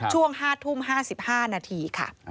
ช่วง๕ทุ่ม๕๕นาทีค่ะ